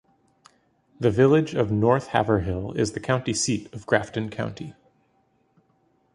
The village of North Haverhill is the county seat of Grafton County.